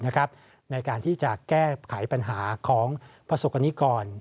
ในการที่จะแก้ไขปัญหาของประสบกรณิกร